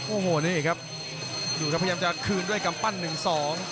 โอ้โหนี่ครับดูครับพยายามจะคืนด้วยกำปั้นหนึ่งสอง